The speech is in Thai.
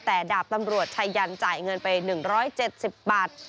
แต่ดาบตำรวจชายันจ่ายเงินไป๑๗๐บาท